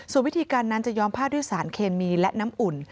ส่วนวิธีการนั้นจะย้อมผ้าด้วยสารเคมีและน้ำอุ่น